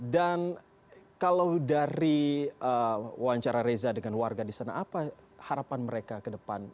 dan kalau dari wawancara reza dengan warga di sana apa harapan mereka ke depan